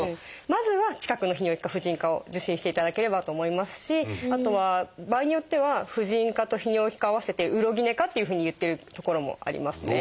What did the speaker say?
まずは近くの泌尿器科婦人科を受診していただければと思いますしあとは場合によっては婦人科と泌尿器科を合わせて「ウロギネ科」っていうふうにいっている所もありますね。